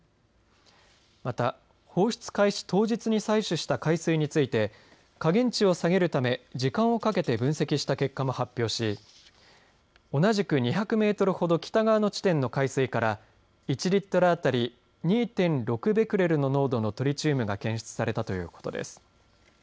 また、放出開始当日に採取した海水について下限値を下げるため時間をかけて分析した結果も発表し同じく２００メートルほど北側の地点の海水から１リットル当たり２．６ベクレルの濃度のトリチウムが検出されたということです。